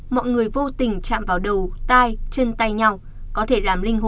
mọi người vô tình chạm vào đầu tai chân tay nhau có thể làm linh hồn